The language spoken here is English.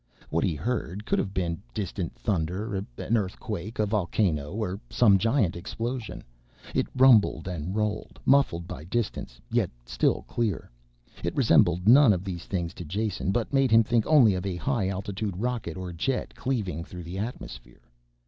What he heard could have been distant thunder, an earthquake, a volcano or some giant explosion. It rumbled and rolled, muffled by distance, yet still clear. It resembled none of these things to Jason, but made him think only of a high altitude rocket or jet, cleaving through the atmosphere.